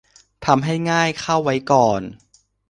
ทำให้ง่ายเข้าไว้ก่อน